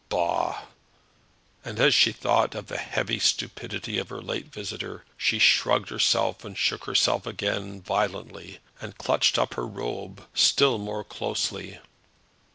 "Bah!" And as she thought of the heavy stupidity of her late visitor she shrugged herself and shook herself again violently, and clutched up her robe still more closely.